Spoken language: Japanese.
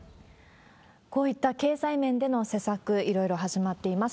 こういった経済面での施策、いろいろ始まっています。